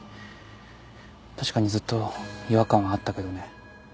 確かにずっと違和感はあったけどね。